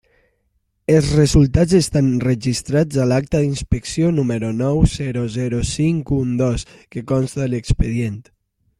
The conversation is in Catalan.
Els resultats estan registrats a l'acta d'inspecció número nou zero zero cinc un dos, que consta a l'expedient.